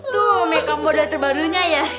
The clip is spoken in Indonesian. tuh makeup model terbarunya ya